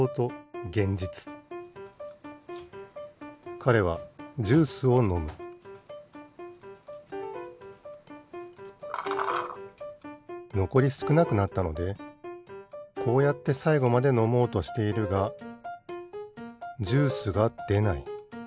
かれはジュースをのむのこりすくなくなったのでこうやってさいごまでのもうとしているがジュースがでない。